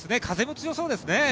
風も強そうですね。